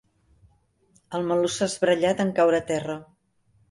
El meló s'ha esbrellat en caure a terra.